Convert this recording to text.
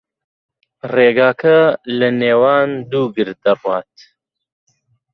ڕێگاکە لەنێوان دوو گرد دەڕوات.